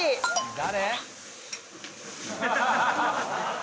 誰！？